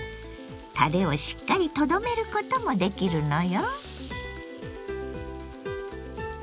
たれをしっかりとどめることもできるのよ。